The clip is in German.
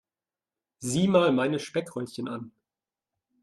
Sieh mal meine Speckröllchen an.